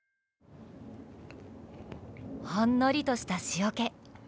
ほんのりとした塩け。